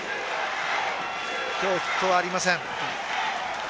今日、ヒットはありません。